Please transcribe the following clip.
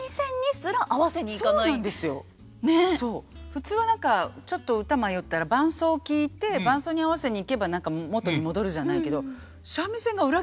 普通は何かちょっと歌迷ったら伴奏を聴いて伴奏に合わせにいけば何か元に戻るじゃないけど。